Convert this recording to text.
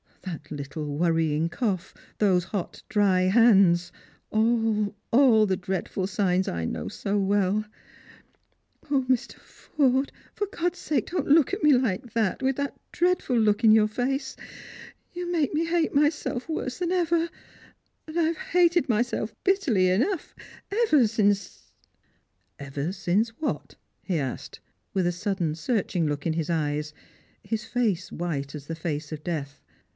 That little worrying cough, those hot dry hands — all, all the dreadful signs I know so well. O, Mr. Forde, for God's sake don't look at me like that, with chat ireadful look in your face ! You make me hate myself worse than ever, and I have hated myself bitterly enough ever since " Ever since what? " he asked, with a sudden searching look ill his eyes, his face white as the face of death.